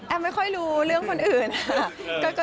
ไม่ค่อยรู้เรื่องคนอื่นค่ะ